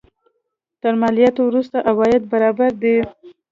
تر مالیاتو وروسته عواید برابر دي.